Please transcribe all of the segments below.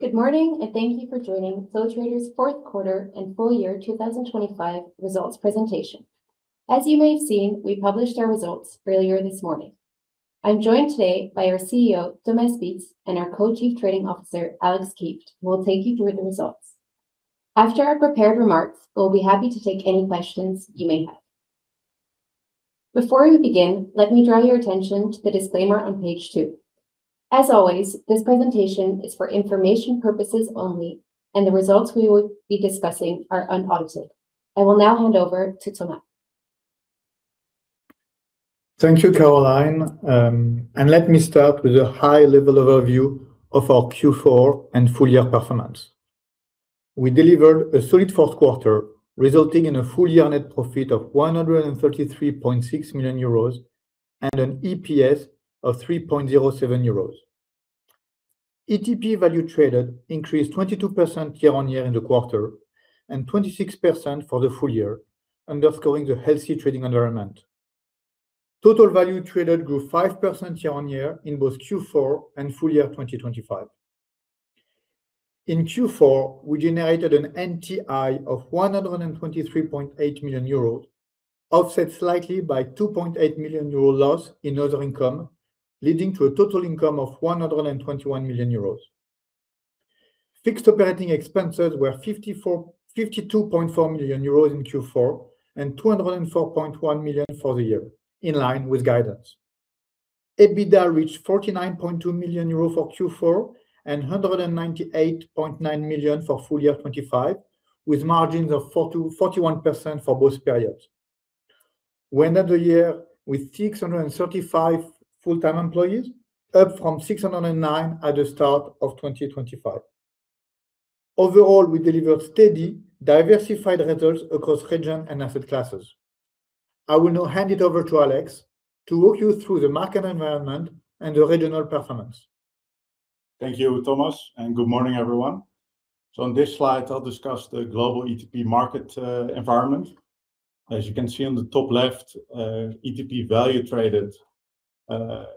Good morning, and thank you for joining Flow Traders' Fourth Quarter and Full Year 2025 Results presentation. As you may have seen, we published our results earlier this morning. I'm joined today by our CEO, Thomas Spitz, and our Co-Chief Trading Officer, Alex Kieft, who will take you through the results. After our prepared remarks, we'll be happy to take any questions you may have. Before we begin, let me draw your attention to the disclaimer on page two. As always, this presentation is for information purposes only, and the results we will be discussing are unaudited. I will now hand over to Thomas. Thank you, Caroline, and let me start with a high-level overview of our Q4 and full year performance. We delivered a solid fourth quarter, resulting in a full-year net profit of 133.6 million euros and an EPS of 3.07 euros. ETP value traded increased 22% year-on-year in the quarter, and 26% for the full year, underscoring the healthy trading environment. Total value traded grew 5% year-on-year in both Q4 and full year 2025. In Q4, we generated an NTI of 123.8 million euros, offset slightly by 2.8 million euros loss in other income, leading to a total income of 121 million euros. Fixed operating expenses were 52.4 million euros in Q4 and 204.1 million for the year, in line with guidance. EBITDA reached 49.2 million euros for Q4 and 198.9 million for full year 2025, with margins of 41% for both periods. We ended the year with 635 full-time employees, up from 609 at the start of 2025. Overall, we delivered steady, diversified results across region and asset classes. I will now hand it over to Alex to walk you through the market environment and the regional performance. Thank you, Thomas, and good morning, everyone. On this slide, I'll discuss the global ETP market environment. As you can see on the top left, ETP value traded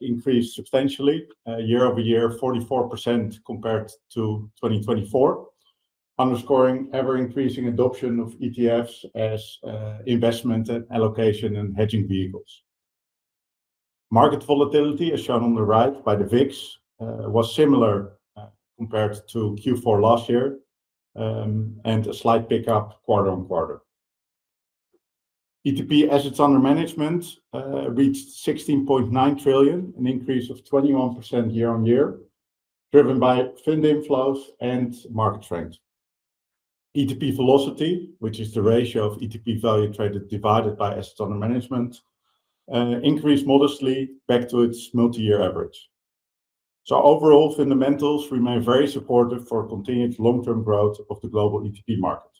increased substantially, year-over-year, 44% compared to 2024, underscoring ever-increasing adoption of ETFs as investment and allocation and hedging vehicles. Market volatility, as shown on the right by the VIX, was similar compared to Q4 last year, and a slight pickup quarter-on-quarter. ETP assets under management reached $16.9 trillion, an increase of 21% year-over-year, driven by fund inflows and market trends. ETP velocity, which is the ratio of ETP value traded, divided by assets under management, increased modestly back to its multi-year average. Overall, fundamentals remain very supportive for continued long-term growth of the global ETP market.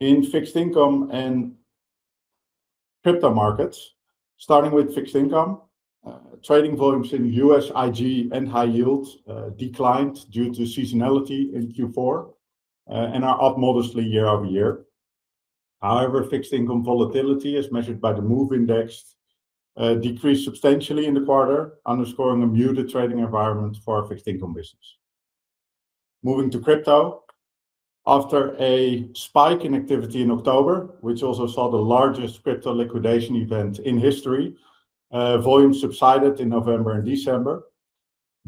In fixed income and crypto markets, starting with fixed income, trading volumes in U.S., IG, and high yield declined due to seasonality in Q4 and are up modestly year-over-year. However, fixed income volatility, as measured by the MOVE Index, decreased substantially in the quarter, underscoring a muted trading environment for our fixed income business. Moving to crypto. After a spike in activity in October, which also saw the largest crypto liquidation event in history, volume subsided in November and December.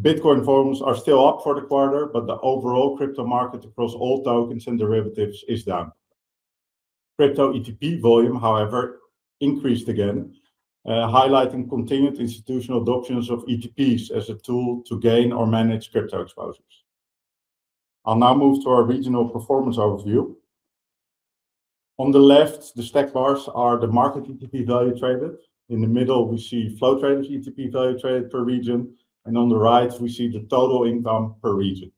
Bitcoin volumes are still up for the quarter, but the overall crypto market across all tokens and derivatives is down. Crypto ETP volume, however, increased again, highlighting continued institutional adoptions of ETPs as a tool to gain or manage crypto exposures. I'll now move to our regional performance overview. On the left, the stacked bars are the market ETP value traded. In the middle, we see Flow Traders ETP value traded per region, and on the right, we see the total income per region.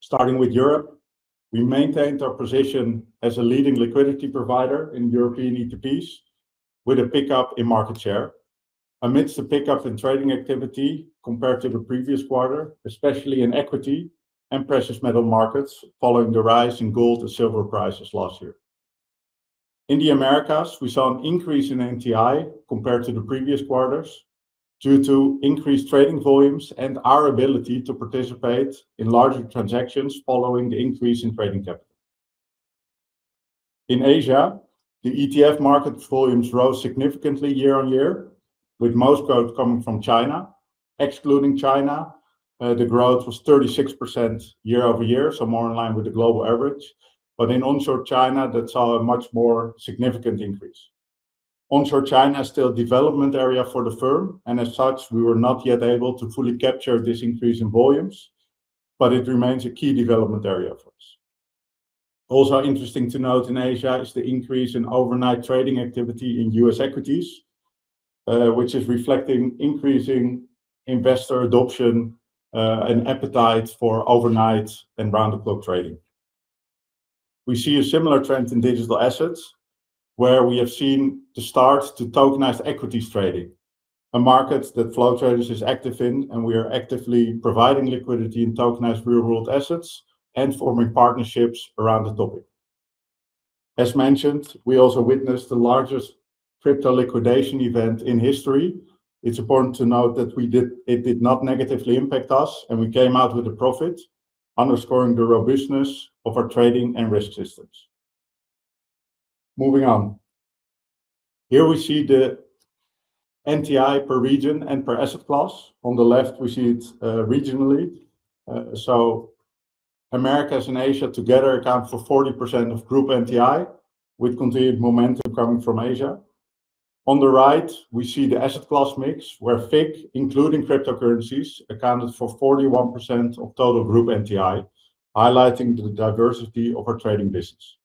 Starting with Europe, we maintained our position as a leading liquidity provider in European ETPs, with a pickup in market share amidst a pickup in trading activity compared to the previous quarter, especially in equity and precious metal markets, following the rise in gold and silver prices last year. In the Americas, we saw an increase in NTI compared to the previous quarters, due to increased trading volumes and our ability to participate in larger transactions following the increase in trading capital. In Asia, the ETF market volumes rose significantly year-on-year, with most growth coming from China. Excluding China, the growth was 36% year-over-year, so more in line with the global average. But in onshore China, that saw a much more significant increase. Onshore China is still a development area for the firm, and as such, we were not yet able to fully capture this increase in volumes, but it remains a key development area for us. Also interesting to note in Asia is the increase in overnight trading activity in U.S. equities, which is reflecting increasing investor adoption, and appetite for overnight and round-the-clock trading. We see a similar trend in digital assets, where we have seen the start to tokenized equities trading, a market that Flow Traders is active in, and we are actively providing liquidity in tokenized real-world assets and forming partnerships around the topic. As mentioned, we also witnessed the largest crypto liquidation event in history. It's important to note that it did not negatively impact us, and we came out with a profit, underscoring the robustness of our trading and risk systems. Moving on. Here we see the NTI per region and per asset class. On the left, we see it, regionally. So Americas and Asia together account for 40% of group NTI, with continued momentum coming from Asia. On the right, we see the asset class mix, where FIC, including cryptocurrencies, accounted for 41% of total group NTI, highlighting the diversity of our trading business.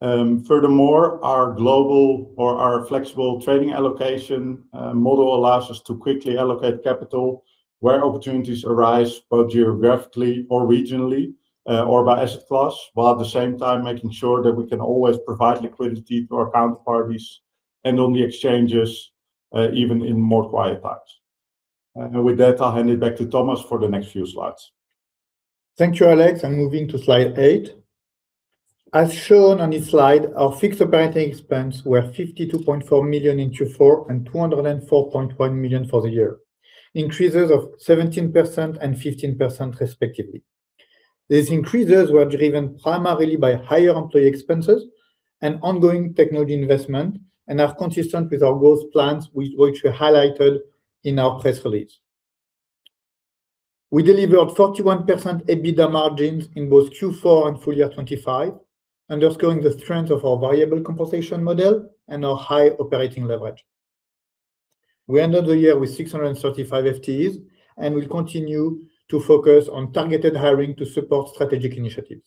Furthermore, our global or our flexible trading allocation model allows us to quickly allocate capital where opportunities arise, both geographically or regionally, or by asset class, while at the same time making sure that we can always provide liquidity to our counterparties and on the exchanges, even in more quiet times. And with that, I'll hand it back to Thomas for the next few slides. Thank you, Alex, and moving to slide eight. As shown on this slide, our fixed operating expenses were 52.4 million in Q4 and 204.1 million for the year, increases of 17% and 15% respectively. These increases were driven primarily by higher employee expenses and ongoing technology investment and are consistent with our growth plans, which we highlighted in our press release. We delivered 41% EBITDA margins in both Q4 and full year 2025, underscoring the strength of our variable compensation model and our high operating leverage. We ended the year with 635 FTEs, and we'll continue to focus on targeted hiring to support strategic initiatives.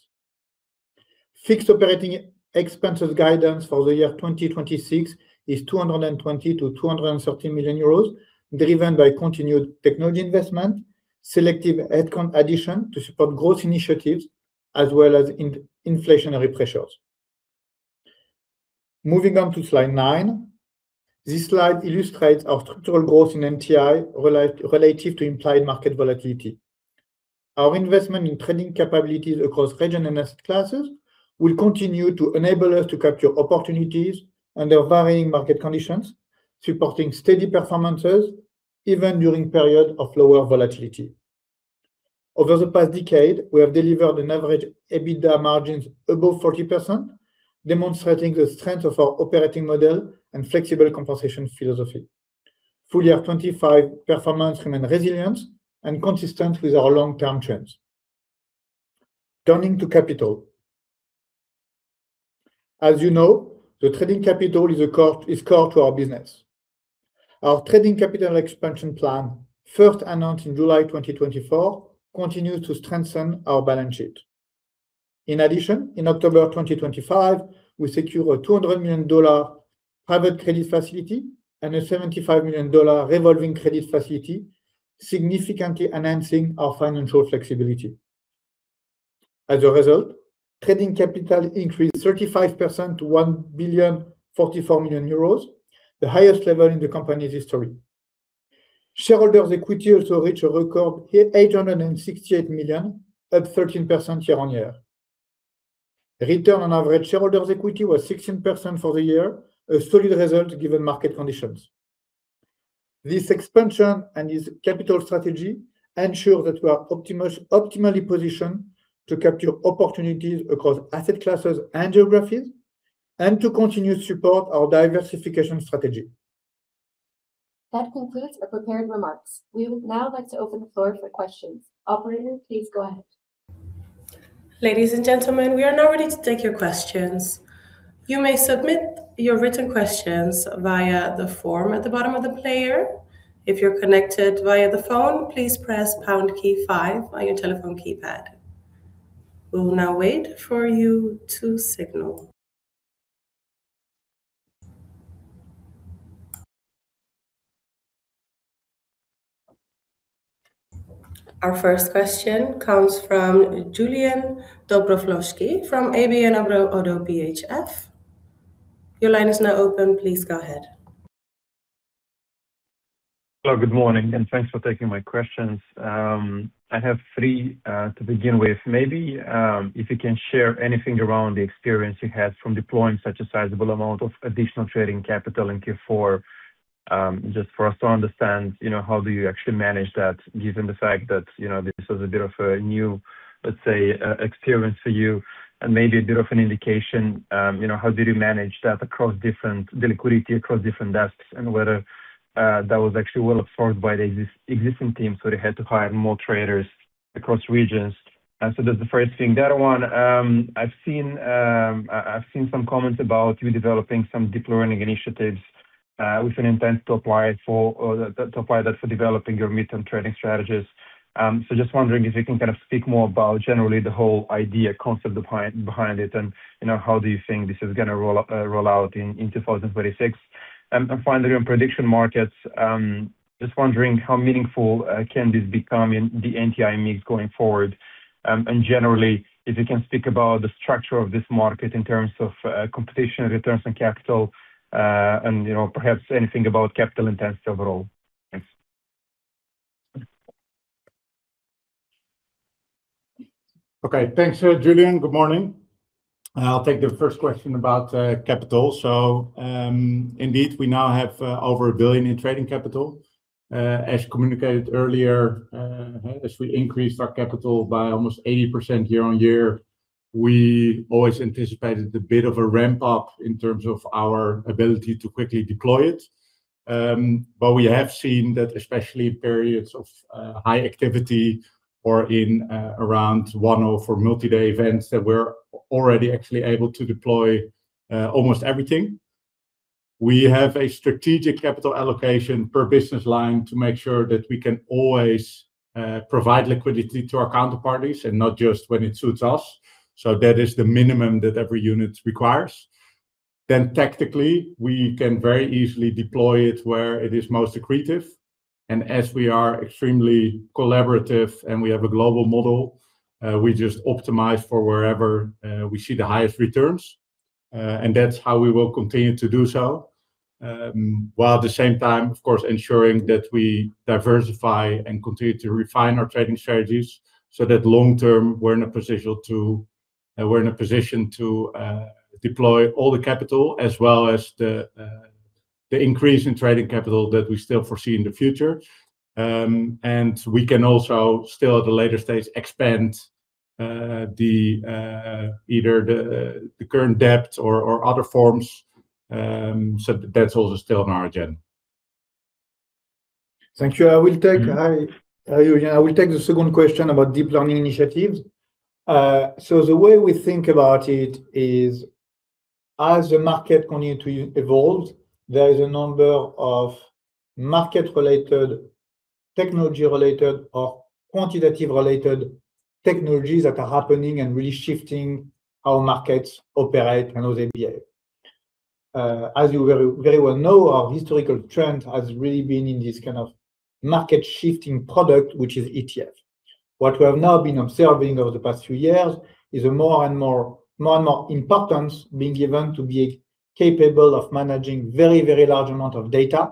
Fixed operating expenses guidance for the year 2026 is 220 million-230 million euros, driven by continued technology investment, selective headcount addition to support growth initiatives, as well as inflationary pressures. Moving on to slide nine. This slide illustrates our structural growth in NTI relative to implied market volatility. Our investment in trading capabilities across region and asset classes will continue to enable us to capture opportunities under varying market conditions, supporting steady performances even during period of lower volatility. Over the past decade, we have delivered an average EBITDA margins above 40%, demonstrating the strength of our operating model and flexible compensation philosophy. Full year 2025 performance remained resilient and consistent with our long-term trends. Turning to capital. As you know, the trading capital is core to our business. Our trading capital expansion plan, first announced in July 2024, continues to strengthen our balance sheet. In addition, in October 2025, we secured a $200 million private credit facility and a $75 million revolving credit facility, significantly enhancing our financial flexibility. As a result, trading capital increased 35% to 1,044 million euros, the highest level in the company's history. Shareholders' equity also reached a record, eight hundred and sixty-eight million, up 13% year-on-year. Return on average shareholders' equity was 16% for the year, a solid result given market conditions. This expansion and this capital strategy ensure that we are optimally positioned to capture opportunities across asset classes and geographies, and to continue to support our diversification strategy. That concludes our prepared remarks. We would now like to open the floor for questions. Operator, please go ahead. Ladies and gentlemen, we are now ready to take your questions. You may submit your written questions via the form at the bottom of the player. If you're connected via the phone, please press pound key five on your telephone keypad. We will now wait for you to signal. Our first question comes from Julian Dobrovolsky from ABN AMRO - ODDO BHF. Your line is now open, please go ahead. Hello, good morning, and thanks for taking my questions. I have three to begin with. Maybe, if you can share anything around the experience you had from deploying such a sizable amount of additional trading capital in Q4, just for us to understand, you know, how do you actually manage that, given the fact that, you know, this was a bit of a new, let's say, experience for you, and maybe a bit of an indication, you know, how did you manage that across different, the liquidity across different desks? And whether that was actually well absorbed by the existing team, so they had to hire more traders across regions. So that's the first thing. The other one, I've seen some comments about you developing some deep learning initiatives with an intent to apply that for developing your midterm trading strategies. So just wondering if you can kind of speak more about generally the whole idea, concept behind it, and, you know, how do you think this is gonna roll out in 2026? And finally, on prediction markets, just wondering how meaningful can this become in the NTI mix going forward? And generally, if you can speak about the structure of this market in terms of competition, returns on capital, and, you know, perhaps anything about capital intensive overall. Thanks.... Okay, thanks, Julian. Good morning. I'll take the first question about capital. So, indeed, we now have over 1 billion in trading capital. As communicated earlier, as we increased our capital by almost 80% year-on-year, we always anticipated a bit of a ramp up in terms of our ability to quickly deploy it. But we have seen that, especially in periods of high activity or in around one-off or multi-day events, that we're already actually able to deploy almost everything. We have a strategic capital allocation per business line to make sure that we can always provide liquidity to our counterparties, and not just when it suits us. So that is the minimum that every unit requires. Then tactically, we can very easily deploy it where it is most accretive, and as we are extremely collaborative and we have a global model, we just optimize for wherever we see the highest returns. And that's how we will continue to do so, while at the same time, of course, ensuring that we diversify and continue to refine our trading strategies, so that long term, we're in a position to deploy all the capital as well as the increase in trading capital that we still foresee in the future. And we can also still, at a later stage, expand either the current debt or other forms. So that's also still on our agenda. Thank you. I will take the second question about deep learning initiatives. So the way we think about it is, as the market continue to evolve, there is a number of market-related, technology-related, or quantitative-related technologies that are happening and really shifting how markets operate and how they behave. As you very, very well know, our historical trend has really been in this kind of market-shifting product, which is ETF. What we have now been observing over the past few years is a more and more, more and more importance being given to be capable of managing very, very large amount of data.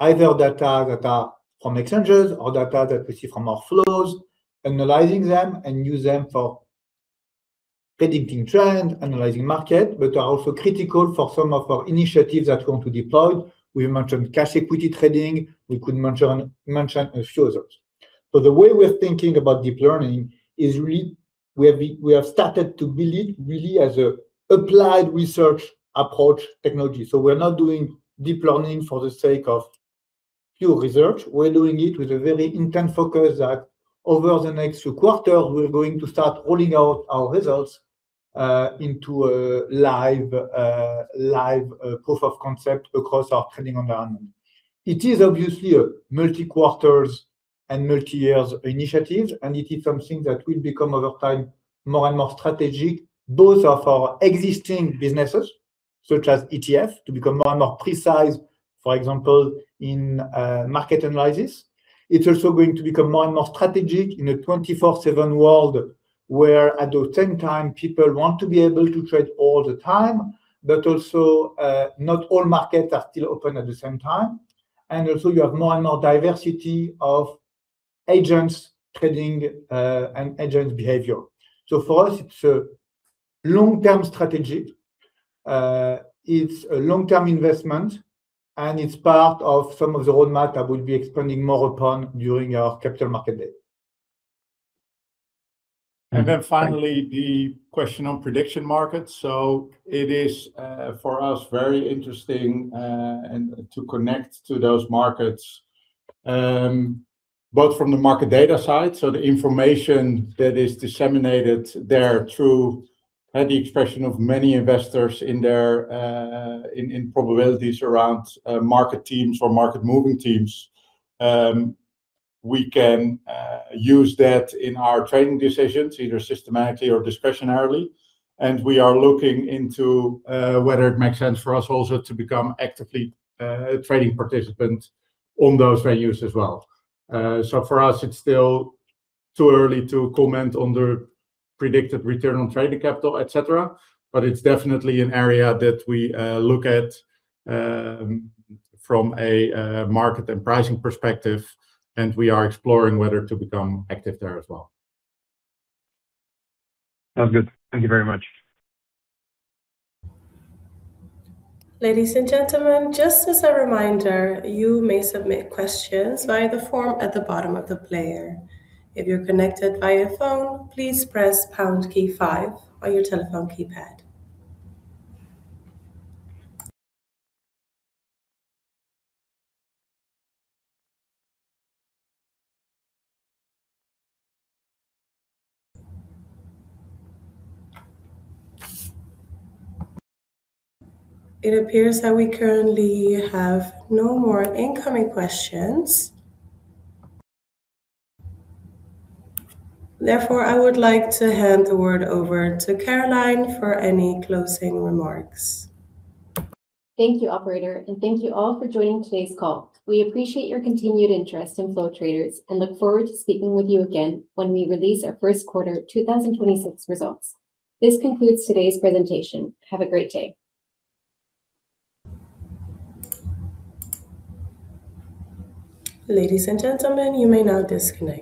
Either data that are from exchanges or data that we see from our flows, analyzing them, and use them for predicting trends, analyzing market, but are also critical for some of our initiatives that are going to deploy. We mentioned cash equity trading. We could mention a few others. So the way we're thinking about deep learning is really. We have started to build it really as an applied research approach technology. So we're not doing deep learning for the sake of pure research. We're doing it with a very intense focus that over the next few quarters, we're going to start rolling out our results into a live proof of concept across our trading environment. It is obviously a multi-quarters and multi-years initiative, and it is something that will become, over time, more and more strategic, both of our existing businesses, such as ETF, to become more and more precise, for example, in market analysis. It's also going to become more and more strategic in a 24/7 world, where at the same time, people want to be able to trade all the time, but also, not all markets are still open at the same time. And also you have more and more diversity of agents trading, and agents' behavior. So for us, it's a long-term strategy, it's a long-term investment, and it's part of some of the roadmap I will be expanding more upon during our Capital Market Day. Then finally, the question on prediction markets. So it is, for us, very interesting, and to connect to those markets, both from the market data side, so the information that is disseminated there through the expression of many investors in their probabilities around market themes or market-moving teams. We can use that in our trading decisions, either systematically or discretionarily, and we are looking into whether it makes sense for us also to become actively trading participant on those venues as well. So for us, it's still too early to comment on the predicted return on trading capital, et cetera, but it's definitely an area that we look at from a market and pricing perspective, and we are exploring whether to become active there as well. Sounds good. Thank you very much. Ladies and gentlemen, just as a reminder, you may submit questions via the form at the bottom of the player. If you're connected via phone, please press pound key five on your telephone keypad. It appears that we currently have no more incoming questions. Therefore, I would like to hand the word over to Caroline for any closing remarks. Thank you, operator, and thank you all for joining today's call. We appreciate your continued interest in Flow Traders, and look forward to speaking with you again when we release our first quarter of 2026 results. This concludes today's presentation. Have a great day. Ladies and gentlemen, you may now disconnect.